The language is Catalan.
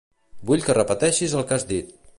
Vull que repeteixis el que has dit.